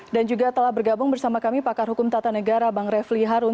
dan juga telah bergabung bersama kami pakar hukum tata negara bang refli harun